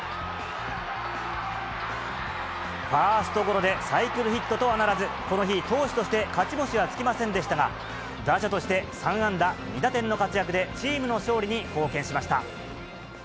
ファーストゴロでサイクルヒットとはならず、この日、投手として勝ち星はつきませんでしたが、打者として３安打２打点の活躍で、チームの勝利に貢献しました。